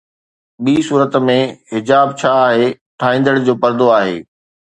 ٻي صورت ۾، حجاب ڇا آهي، ٺاهيندڙ جو پردو آهي